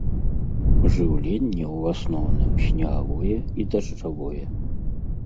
Жыўленне ў асноўным снегавое і дажджавое.